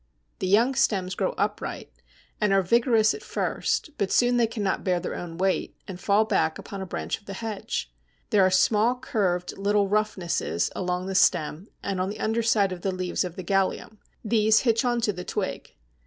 The young stems grow upright and are vigorous at first, but soon they cannot bear their own weight, and fall back upon a branch of the hedge. There are small curved little roughnesses along the stem and on the under side of the leaves of the Galium; these hitch on to the twig.